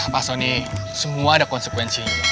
pak soni semua ada konsekuensinya